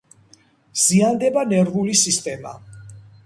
ზიანდება ნერვული სისტემა.